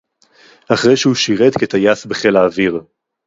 אחרי שהוא שירת כטייס בחיל האוויר